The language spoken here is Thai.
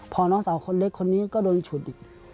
พอน้องสาวคนเล็กคนนี้ก็โดนฉุดอีก